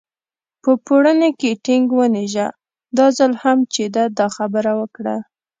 په پوړني کې ټینګ ونېژه، دا ځل هم چې ده دا خبره وکړه.